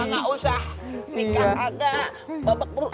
gak usah nikah agak bebek buru